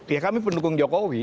ya kami pendukung jokowi